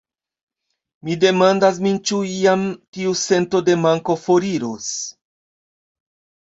Mi demandas min ĉu iam tiu sento de manko foriros.